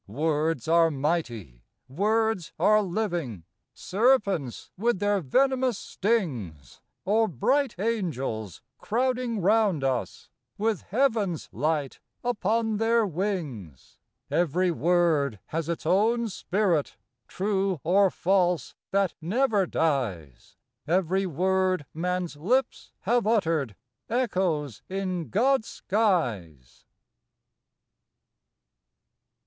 Words are mighty, words are living : Serpents with their venomous stings, Or bright angels, crowding round us, With heaven's light upon their wings THE OLD YEAR'S BLESSING. 133 Every word has its own spirit, True or false, that never dies ; Every word man's lips have uttered Echoes in God's skies.